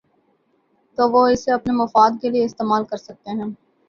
تو وہ اسے اپنے مفاد کے لیے استعمال کر سکتے تھے۔